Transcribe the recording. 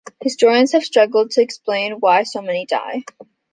Historians have struggled to explain why so many died.